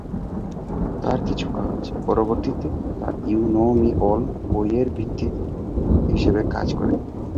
তার কিছু কাজ পরবর্তীতে তার "ইউ নো মি অ্যাল" বইয়ের ভিত্তি হিসেবে কাজ করে।